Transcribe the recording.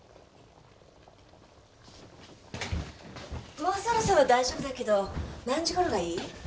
もうそろそろ大丈夫だけど何時ごろがいい？